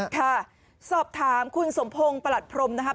ค่ะสอบถามคุณสมพงศ์ประหลัดพรมนะครับ